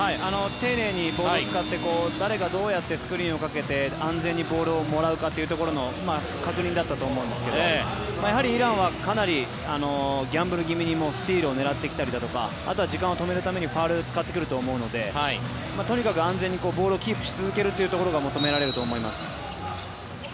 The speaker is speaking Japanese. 丁寧にボールを使って誰がどうやってスクリーンをかけて安全にボールをもらうかというところの確認だったと思うんですけどやはりイランはかなりギャンブル的にもうスチールを狙ってきたりだとかあとは時間を止めるためにファウルを使ってくると思うのでとにかく安全にボールをキープし続けることが求められると思います。